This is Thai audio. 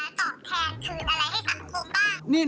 เราแค่อยากจะต่อแทนคืนอะไรให้สังคมบ้าง